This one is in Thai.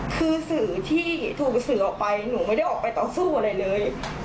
คือสื่อที่ถูกสื่อออกไปหนูไม่ได้ออกไปต่อสู้อะไรเลย